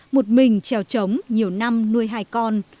một mình trèo trống nhiều năm nuôi hai con